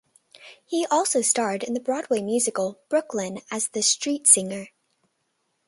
He also starred in the Broadway musical "Brooklyn" as the Streetsinger.